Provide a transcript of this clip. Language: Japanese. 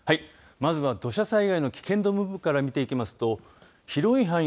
まずは土砂災害の危険度分布から見ていきますと広い範囲